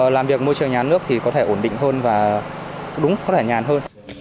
làm việc môi trường nhà nước thì có thể ổn định hơn và đúng có thể nhàn hơn